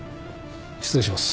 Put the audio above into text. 失礼します。